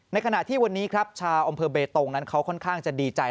ขณะที่วันนี้ครับชาวอำเภอเบตงนั้นเขาค่อนข้างจะดีใจ